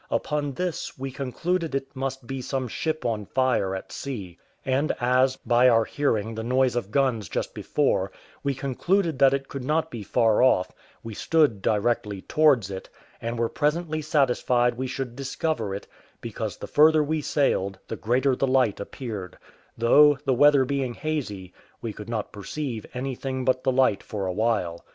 Upon this, we concluded it must be some ship on fire at sea; and as, by our hearing the noise of guns just before, we concluded that it could not be far off, we stood directly towards it, and were presently satisfied we should discover it, because the further we sailed, the greater the light appeared; though, the weather being hazy, we could not perceive anything but the light for a while.